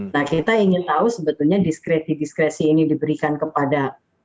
nah kita ingin tahu sebetulnya diskreti diskresi ini diberikan kepada